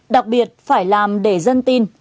đặc biệt phải làm để dân tin